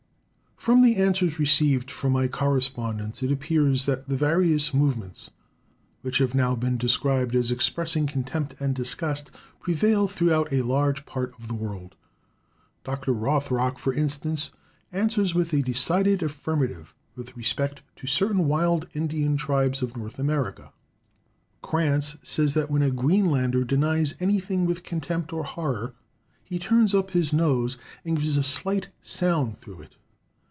From the answers received from my correspondents it appears that the various movements, which have now been described as expressing contempt and disgust, prevail throughout a large part of the world. Dr. Rothrock, for instance, answers with a decided affirmative with respect to certain wild Indian tribes of North America. Crantz says that when a Greenlander denies anything with contempt or horror he turns up his nose, and gives a slight sound through it.